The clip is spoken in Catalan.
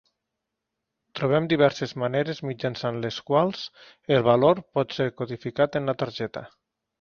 Trobem diverses maneres mitjançant les quals el valor pot ser codificat en la targeta.